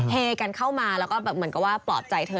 เฮกันเข้ามาแล้วก็แบบเหมือนกับว่าปลอบใจเธอ